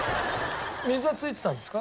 水はついてたんですか？